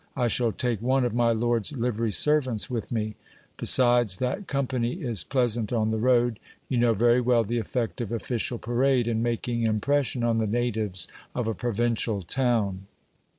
I shall take one of my lord's livery servants with me. Besides that company is pleasant on the road, you know very well the effect of official parade, in making impression on the natives of a provincial town.